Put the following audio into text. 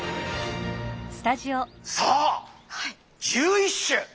さあ１１種。